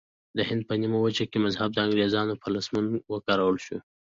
د هند په نیمه وچه کې مذهب د انګریزانو په لمسون وکارول شو.